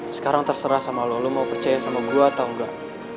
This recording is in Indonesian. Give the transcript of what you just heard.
sekarang terserah sama lo mau percaya sama gue atau enggak